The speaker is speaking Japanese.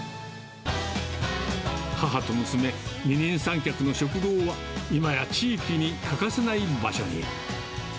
母と娘、二人三脚の食堂は、今や地域に欠かせない場所に。